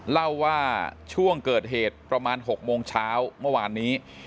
เล่าว่าช่วงเกิดเหตุประมาณ๖โมงเช้าเมื่อวานนี้